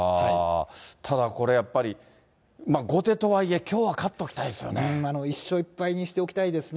ただこれ、やっぱり、後手とはいえ、１勝１敗にしておきたいですね。